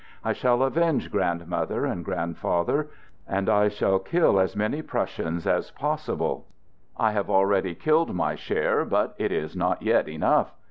I shall avenge grandmother and grand father, and I shall kill as many Prussians as possi ble. I have already killed my share, but it is not yet enough.